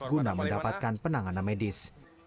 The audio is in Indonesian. guna mendapatkan penanganan medis